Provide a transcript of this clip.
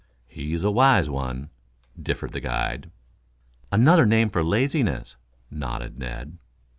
"He's a wise one," differed the guide. "Another name for laziness," nodded Ned.